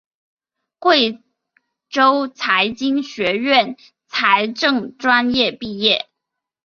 贵州财经学院财政专业毕业。